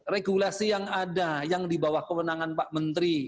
regulasi yang ada yang di bawah kewenangan pak menteri